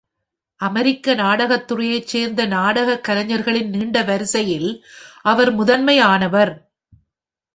அமெரிக்க நாடகத்துறையை சேர்ந்த நாடகக் கலைஞர்களின் நீண்ட வரிசையில் அவர் முதன்மையானவர்.